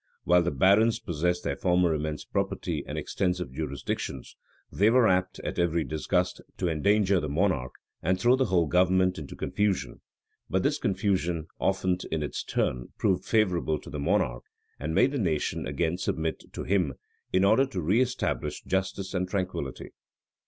While the barons possessed their former immense property and extensive jurisdictions, they were apt, at every disgust, to endanger the monarch, and throw the whole government into confusion; but this confusion often, in its turn, proved favorable to the monarch, and made the nation again submit to him, in order to reëstablish justice and tranquillity.